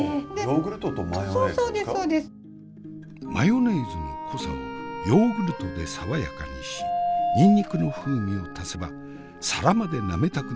マヨネーズの濃さをヨーグルトで爽やかにしにんにくの風味を足せば皿までなめたくなるドレッシング。